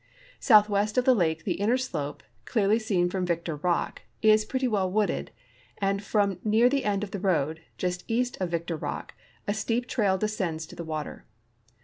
Southwest of the lake the inner slope, clearly seen from Victor rock, is pretty well wooded, and from near the end of the road, just east of Victor rock, a steep trail descends to the water.